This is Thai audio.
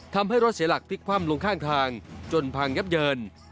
ทำให้รถเสียหลักพลิกคว่ำลงข้างทางจนพังยับเยิน